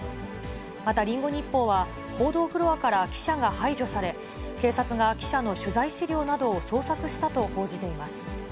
またリンゴ日報は報道フロアから記者が排除され、警察が記者の取材資料などを捜索したと報じています。